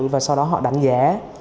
và sau đó họ đánh giá